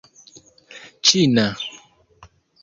ĉina